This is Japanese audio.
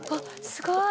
すごーい。